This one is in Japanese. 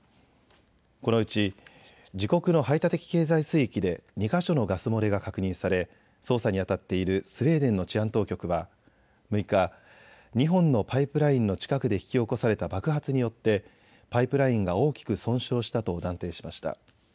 このうち、自国の排他的経済水域で２か所のガス漏れが確認され捜査にあたっているスウェーデンの治安当局は６日、２本のパイプラインの近くで引き起こされた爆発によってパイプラインが大きく損傷したと断定しました。